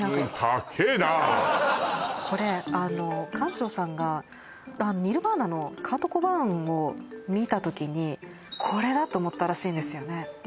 高えなこれ館長さんがニルヴァーナのカート・コバーンを見た時にこれだと思ったらしいんですよね